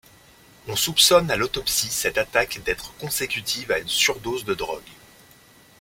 On soupçonne à l'autopsie cette attaque d'être consécutive à une surdose de drogue.